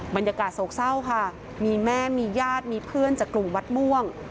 บรรยากาศโศกเศร้าค่ะมีแม่มีญาติมีเพื่อนจากกลุ่มวัดม่วง